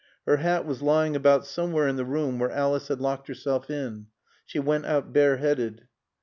Her hat was lying about somewhere in the room where Alice had locked herself in. She went out bareheaded.